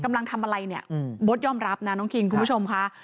กำลังทำอะไรโบสต์ย่อมรับนะน้องคิณคุณผู้ชมค่ะ